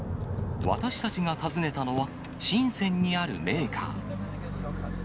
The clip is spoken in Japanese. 私たちが訪ねたのは、深せんにあるメーカー。